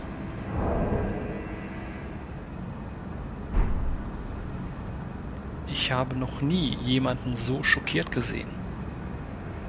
Ich habe noch nie jemanden so schockiert gesehen.